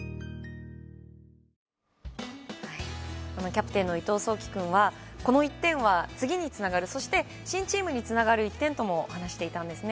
キャプテン伊藤颯希君はこの１点は次につながる、そして新チームにつながる１点とも話していました。